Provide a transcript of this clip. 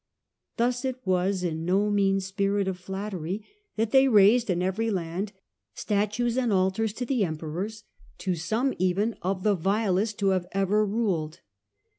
^ Thus it was in no mean spirit of flattery that they raised in every land statues and altars to the Emperors, to some even of the vilest who have ever ruled.